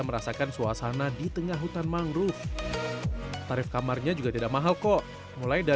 merasakan suasana di tengah hutan mangrove tarif kamarnya juga tidak mahal kok mulai dari